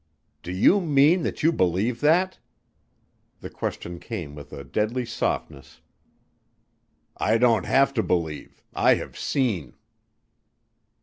"Do you mean that you believe that?" The question came with a deadly softness. "I don't have to believe. I have seen."